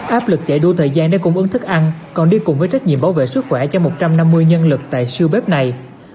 áp lực chạy đua thời gian để cung ứng thức ăn còn đi cùng với trách nhiệm bảo vệ sức khỏe cho một trăm năm mươi nhân lực tại siêu bếp này